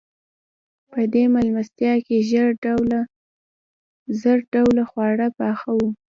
په دې مېلمستیا کې زر ډوله خواړه پاخه وو.